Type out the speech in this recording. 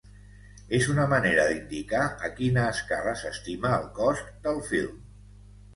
És una manera d'indicar a quina escala s'estima el cost del film.